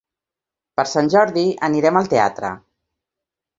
Per Sant Jordi anirem al teatre.